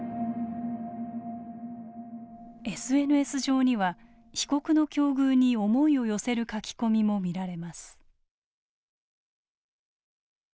ＳＮＳ上には被告の境遇に思いを寄せる書き込みも見られます。